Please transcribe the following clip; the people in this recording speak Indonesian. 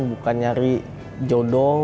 bukan nyari jodoh